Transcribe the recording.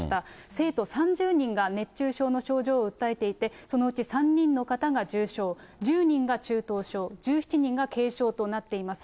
生徒３０人が熱中症の症状を訴えていて、そのうち３人の方が重症、１０人が中等症、１７人が軽症となっています。